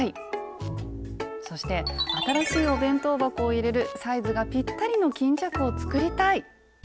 そして新しいお弁当箱を入れるサイズがぴったりの巾着を作りたい！